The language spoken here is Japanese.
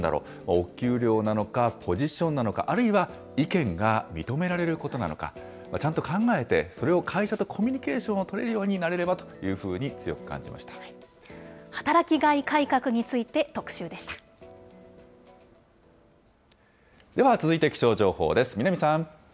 お給料なのか、ポジションなのか、あるいは意見が認められることなのか、ちゃんと考えて、それを会社とコミュニケーションを取れるようになれればというふ働きがい改革について、特集では続いて気象情報です。